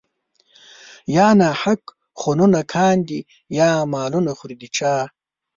يا ناحق خونونه کاندي يا مالونه خوري د چا